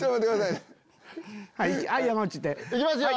いきますよ！